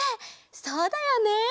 そうだよね！